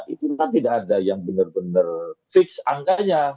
itu kan tidak ada yang benar benar fix angkanya